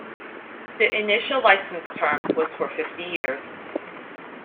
The initial license term was for fifty years.